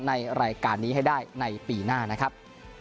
ในรายการนี้ให้ได้ในปีหน้านะครับ